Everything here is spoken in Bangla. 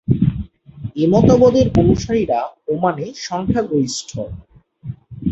এ মতবাদের অনুসারীরা ওমানে সংখ্যাগরিষ্ঠ।